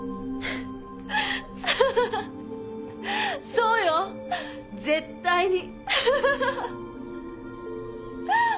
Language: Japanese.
そうよ絶対に。